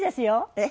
えっ？